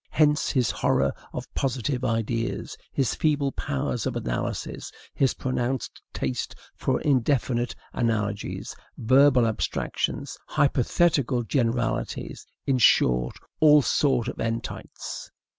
Hence his horror of positive ideas, his feeble powers of analysis, his pronounced taste for indefinite analogies, verbal abstractions, hypothetical generalities, in short, all sorts of entites.